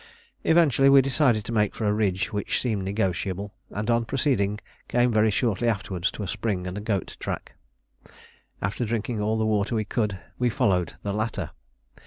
Eventually we decided to make for a ridge which seemed negotiable, and on proceeding came very shortly afterwards to a spring and a goat track. After drinking all the water we could, we followed the latter.